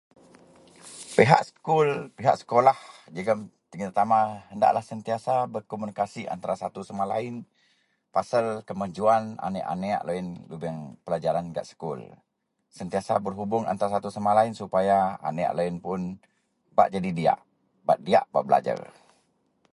Pihak sekul, pihak sekolah jegum tina tama hendaklah sentiasa berkomunikasi antara satu sama lain pasel kemajuwan anek-anek loyen lobeng pelajaran gak sekul sentiasa berhubong antara satu sama lain supaya anek loyen puon bak jadi diyak bak diyak belajer.